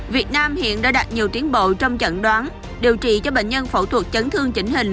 việt nam hiện đã đạt nhiều tiến bộ trong chẩn đoán điều trị cho bệnh nhân phẫu thuật chấn thương chỉnh hình